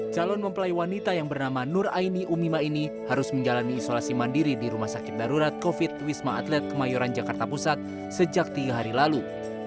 calon mempelai wanita yang bernama nur aini umima ini harus menjalani isolasi mandiri di rumah sakit darurat covid sembilan belas wisma atlet kemayoran jakarta pusat sejak tiga hari lalu